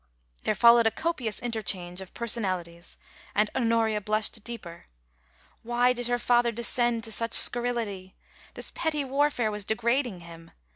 149 There followed a copious interchange of personalities, and Honoria blushed deeper. Why did her father descend to such scurrility ? This petty warfare was degrading him.